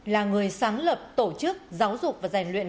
là người sáng lập tổ chức giáo dục và rèn luyện